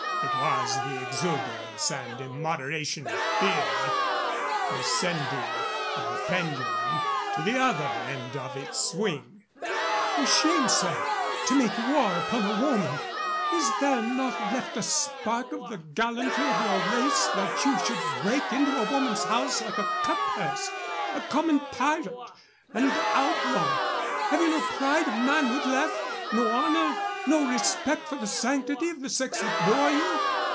It was the exuberance and immoderation of fear the sending of the pendulum to the other end of its swing. "For shame, sir, to make war upon a woman! Is there not left a spark of the gallantry of your race that you should break into a woman's house like a cutpurse, a common pirate and outlaw? Have you no pride of manhood left no honor? No respect for the sanctity of the sex that bore you?